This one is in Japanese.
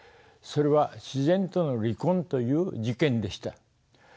それは自然との離婚という事件でした。